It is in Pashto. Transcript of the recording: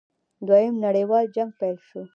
دویم نړیوال جنګ پیل شو.